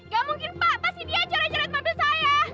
gak mungkin pak pasti dia joran joran mobil saya